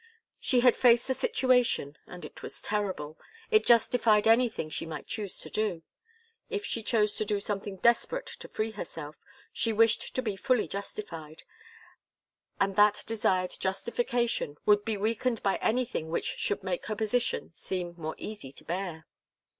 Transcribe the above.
She had faced the situation and it was terrible it justified anything she might choose to do. If she chose to do something desperate to free herself, she wished to be fully justified, and that desired justification would be weakened by anything which should make her position seem more easy to bear.